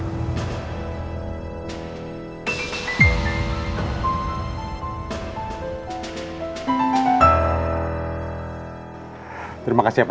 terima kasih pak